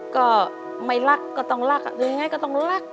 ก็ไม่รักก็ต้องรักยังไงก็ต้องรัก